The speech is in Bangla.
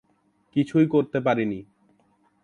কিছুই করতে পারি নি।